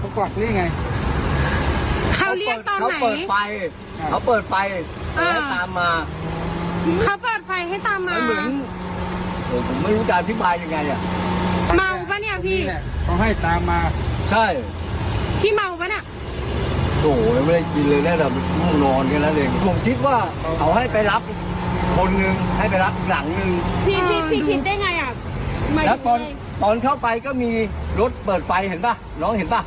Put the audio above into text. พี่คิดได้ไงอ่ะมาอยู่ไหนตอนเข้าไปก็มีรถเปิดไฟเห็นป่ะน้องเห็นป่ะ